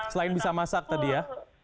selain bisa masak tadi ya